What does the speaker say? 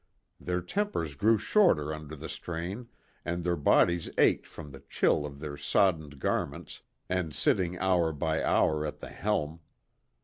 Their tempers grew shorter under the strain, and their bodies ached from the chill of their soddened garments and sitting hour by hour at the helm.